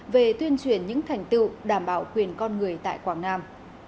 về tuyên truyền những thành tựu đảm bảo quyền con người tại quảng nam